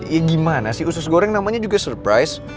ya gimana sih usus goreng namanya juga surprise